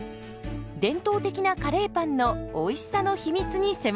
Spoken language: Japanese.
伝統的なカレーパンのおいしさの秘密に迫ります。